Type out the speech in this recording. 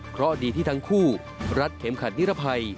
เพราะดีที่ทั้งคู่รัดเข็มขัดนิรภัย